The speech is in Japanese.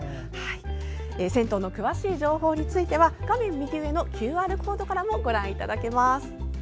銭湯の詳しい情報については画面右上のＱＲコードからもご覧いただけます。